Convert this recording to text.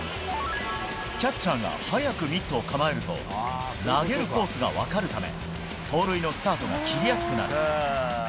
キャッチャーが早くミットを構えると投げるコースが分かるため盗塁のスタートが切りやすくなる。